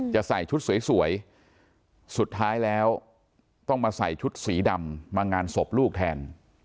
จะใส่ชุดสวยสุดท้ายแล้วต้องมาใส่ชุดสีดำมางานศพลูกแทน